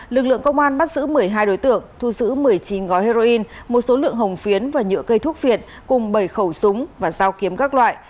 lực lượng công an bắt giữ một mươi hai đối tượng thu giữ một mươi chín gói heroin một số lượng hồng phiến và nhựa cây thuốc viện cùng bảy khẩu súng và dao kiếm các loại